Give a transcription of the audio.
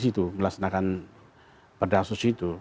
itu melaksanakan pedasus